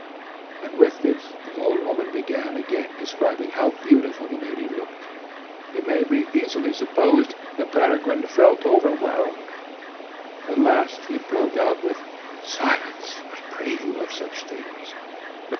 And with this the old woman began again describing how beautiful the lady looked. It may be easily supposed that Peregrine felt overwhelmed. At last he broke out with, "Silence, I pray you, of such things.